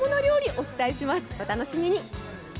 お楽しみに。